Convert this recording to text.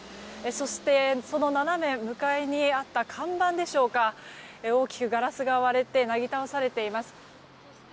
そして、その斜め向かいにあった看板でしょうか大きくガラスが割れてなぎ倒されています。